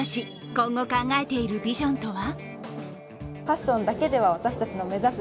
今後、考えているビジョンとは？